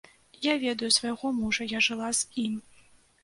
Я ведаю свайго мужа, я жыла з ім.